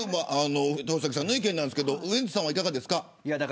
豊崎さんの意見ですがウエンツさんはいかがですか。